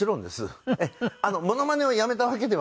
モノマネをやめたわけではないので。